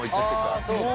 ああそうか。